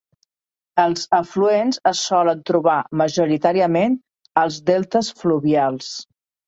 Els afluents es solen trobar majoritàriament als deltes fluvials.